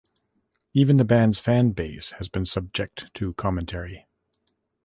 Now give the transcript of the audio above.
Even the band's fan base has been subject to commentary.